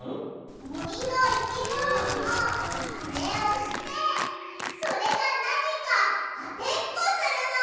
もりのいきもののマネをしてそれがなにかあてっこするの！